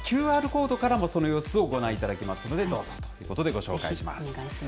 ＱＲコードからもその様子をご覧いただけますのでどうぞということでご紹介します。